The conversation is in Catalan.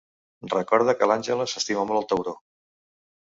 Recorda que l'Angela s'estima molt el tauró.